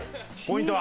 ポイント。